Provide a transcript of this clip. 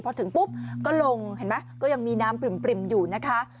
พอถึงปุ๊บก็ลงเห็นไหมก็ยังมีน้ำปริ่มอยู่นะคะ